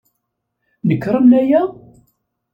Nekṛen aya?